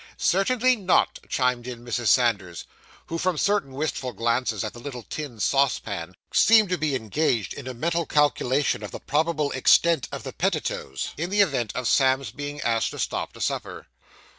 'Certainly not,' chimed in Mrs. Sanders, who, from certain wistful glances at the little tin saucepan, seemed to be engaged in a mental calculation of the probable extent of the pettitoes, in the event of Sam's being asked to stop to supper.